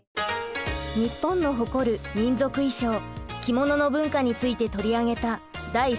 日本の誇る民族衣装・着物の文化について取り上げた第３４回。